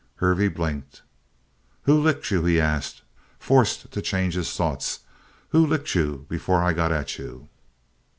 Hervey blinked. "Who licked you?" he asked, forced to change his thoughts. "Who licked you before I got at you?"